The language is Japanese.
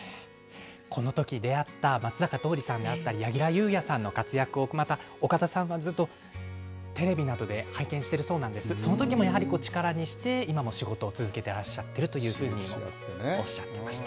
このとき出会った松坂桃李さんであったり、柳楽優弥さんの活躍をまた岡田さんはずっと、テレビなどで拝見しているそうなんです、そのときもやはり、力にして、今も仕事を続けてらっしゃってるというふうにおっしゃってました。